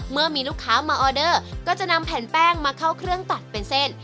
เมื่อมีลูกค้ามาออเดอร์ก็จะนำแผ่นแป้งมาเข้าเครื่องตัดเป็นเส้น